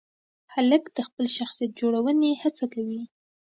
هلک د خپل شخصیت جوړونې هڅه کوي.